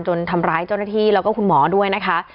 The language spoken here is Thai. ทำร้ายเจ้าหน้าที่แล้วก็คุณหมอด้วยนะคะ